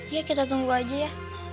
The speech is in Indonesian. ya kita tunggu aja ya